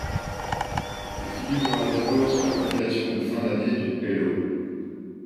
Elle figurera d'abord sur la compilation de fin d'année du Hello!